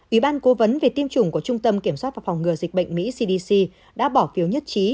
ủy ban cố vấn về tiêm chủng của trung tâm kiểm soát và phòng ngừa dịch bệnh mỹ cdc đã bỏ phiếu nhất trí